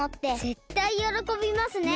ぜったいよろこびますね。